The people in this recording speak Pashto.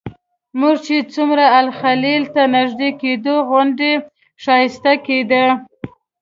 موږ چې څومره الخلیل ته نږدې کېدو غونډۍ ښایسته کېدې.